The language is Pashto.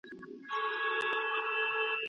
د طبيعي پوهانو کار ډېر دقيق وي.